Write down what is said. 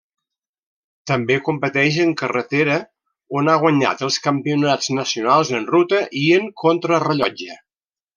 També competeix en carretera on ha guanyat els campionats nacionals en ruta i en contrarellotge.